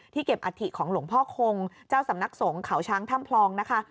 เก็บอัฐิของหลวงพ่อคงเจ้าสำนักสงฆ์เขาช้างถ้ำพลองนะคะ